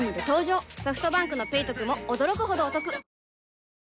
ソフトバンクの「ペイトク」も驚くほどおトク